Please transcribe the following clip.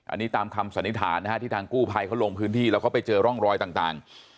อันนี้ตามคำสันนิษฐานนะฮะที่ทางกู้ภัยเขาลงพื้นที่แล้วเขาไปเจอร่องรอยต่าง